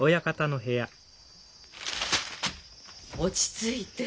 落ち着いて。